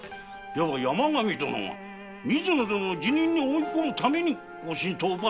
では山上殿が水野殿を辞任に追いこむために御神力を奪ったと？